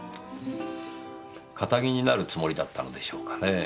カタギになるつもりだったのでしょうかねぇ。